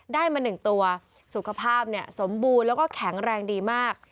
ได้มา๑ตัวสุขภาพสมบูรณ์แล้วก็แข็งแรงดีมาก